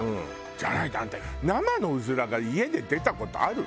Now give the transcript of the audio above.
じゃないとあんた生のうずらが家で出た事ある？